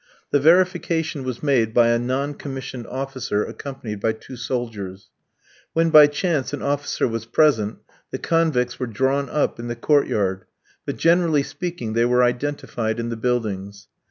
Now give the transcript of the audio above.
The verification was made by a non commissioned officer accompanied by two soldiers. When by chance an officer was present, the convicts were drawn up in the court yard, but generally speaking they were identified in the buildings.